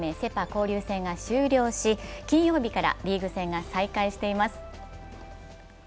交流戦が終了し、金曜日からリーグ戦が再開しています。